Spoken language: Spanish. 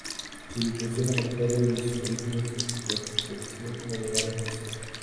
Su ubicación ha marcado desde sus orígenes su potencial como lugar defensivo.